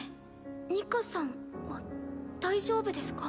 ニカさんは大丈夫ですか？